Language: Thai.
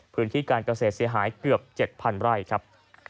พื้นที่การเกษตรเสียหายเกือบ๗๐๐ไร่ครับ